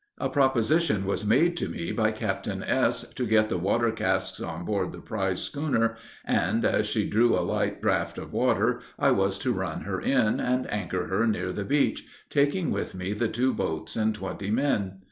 A proposition was made to me, by Captain S., to get the water casks on board the prize schooner, and, as she drew a light draught of water, I was to run her in, and anchor her near the beach, taking with me the two boats and twenty men.